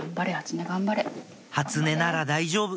「初音なら大丈夫」